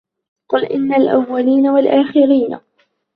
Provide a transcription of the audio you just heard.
قُل إِنَّ الأَوَّلينَ وَالآخِرينَ